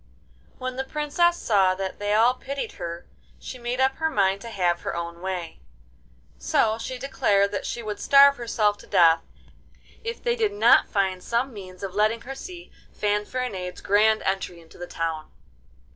When the Princess saw that they all pitied her she made up her mind to have her own way. So she declared that she would starve herself to death if they did not find some means of letting her see Fanfaronade's grand entry into the town.